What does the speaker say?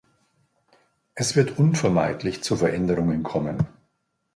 Es wird unvermeidlich zu Veränderungen kommen.